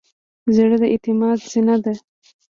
زړه د اعتماد زینه ده.